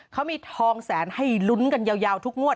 เขามีทองแสนให้ลุ้นกันยาวทุกงวด